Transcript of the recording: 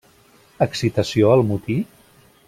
Excitació al motí?